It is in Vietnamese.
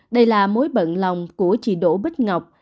đây là mối bận lòng của chị đỗ bích ngọc